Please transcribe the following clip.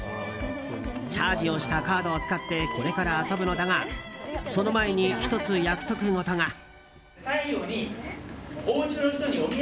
チャージをしたカードを使ってこれから遊ぶのだがその前に１つ約束事が。